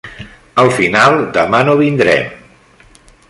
Al final demà no vindrem.